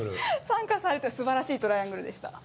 参加されて素晴らしいトライアングルでした。